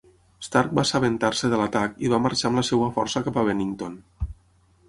Stark va assabentar-se de l'atac i va marxar amb la seva força cap a Bennington.